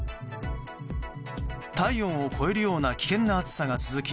体温を超えるような危険な暑さが続き